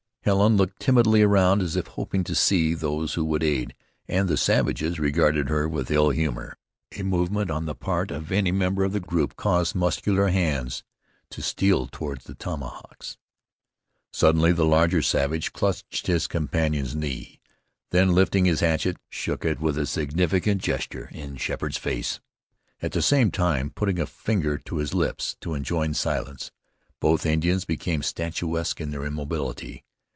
Helen looked timidly around as if hoping to see those who would aid, and the savages regarded her with ill humor. A movement on the part of any member of the group caused muscular hands to steal toward the tomahawks. Suddenly the larger savage clutched his companion's knee. Then lifting his hatchet, shook it with a significant gesture in Sheppard's face, at the same time putting a finger on his lips to enjoin silence. Both Indians became statuesque in their immobility.